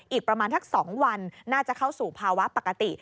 อีกประมาณสัก๒วันน่าจะเข้าสู่ภาวะปกติ